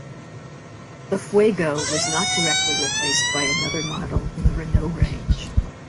The Fuego was not directly replaced by another model in the Renault range.